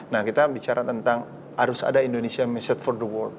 nah kita bicara tentang harus ada indonesia message for the world